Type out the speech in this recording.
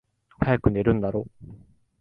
早く寝るんだろ？